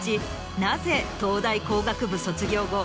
なぜ東大工学部卒業後